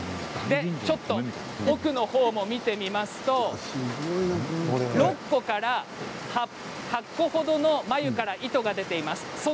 ちょっと奥のほうも見てみますと６個から８個ほどの繭から糸が出ています。